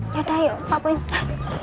yaudah ayo papa